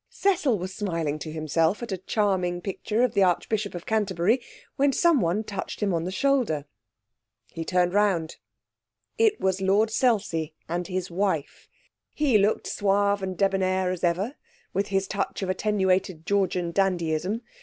Cecil was smiling to himself at a charming picture of the Archbishop of Canterbury, when someone touched him on the shoulder. He turned round. It was Lord Selsey with his wife. He looked suave and debonair as ever, with his touch of attenuated Georgian dandyism.